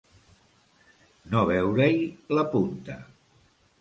No veure-hi la punta.